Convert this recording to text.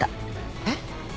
えっ！？